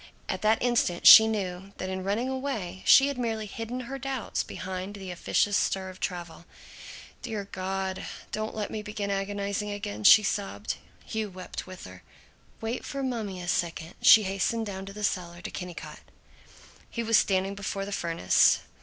At that instant she knew that in running away she had merely hidden her doubts behind the officious stir of travel. "Dear God, don't let me begin agonizing again!" she sobbed. Hugh wept with her. "Wait for mummy a second!" She hastened down to the cellar, to Kennicott. He was standing before the furnace.